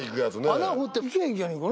穴掘って引きゃいいじゃねえか。